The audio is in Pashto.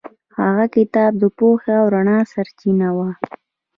هغه کتاب د پوهې او رڼا سرچینه وه.